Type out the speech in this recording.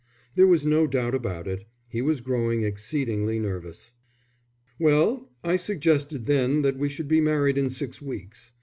There was no doubt about it, he was growing exceedingly nervous. "Well, I suggested then that we should be married in six weeks.